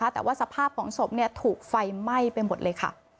แต่ว่าสภาพของศพถูกไฟไหม้ไปหมดเลยค่ะ